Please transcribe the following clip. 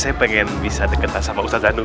saya pengen bisa deketan sama ustad zanul